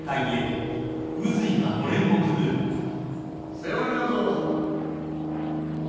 世話になるぞ。